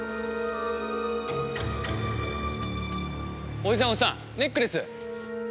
おじさんおじさんネックレス。